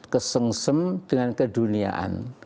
kesengsem dengan keduniaan